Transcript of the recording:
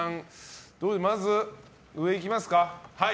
まず、上いきますか。